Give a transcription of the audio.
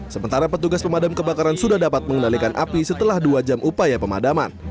sementara petugas pemadam kebakaran sudah dapat mengendalikan api setelah dua jam upaya pemadaman